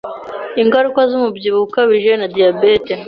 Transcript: ingaruka z’umubyibuho ukabije na diyabete